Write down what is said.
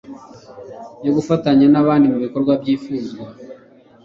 yo gufatanya n'abandi mu bikorwa byifuzwa